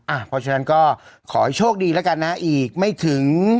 เพราะฉะนั้นก็ขอให้โชคดีแล้วกันนะอีกไม่ถึง